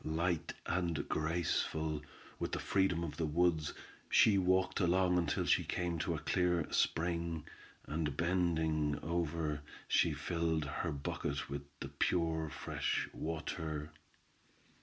Light and graceful, with the freedom of the woods, she walked along until she came to a clear spring, and bending over, she filled her bucket with the pure fresh water.